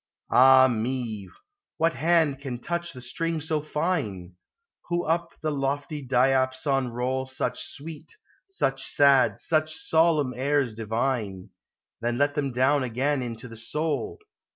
Ah me ! what hand can touch the string so fine ? Who up the lofty diapason roll Such sweet, such sad, such solemn airs divine, Then let them down again into the soul